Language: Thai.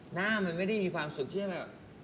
หน้ามันไม่ได้มีความสุขที่จะแบบ